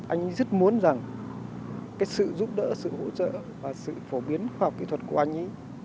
anh rất muốn rằng sự giúp đỡ sự hỗ trợ và sự phổ biến khoa học kỹ thuật của anh